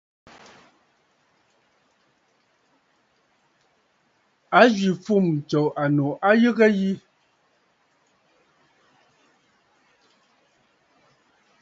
A zwì fûm tso annù a yəgə yi.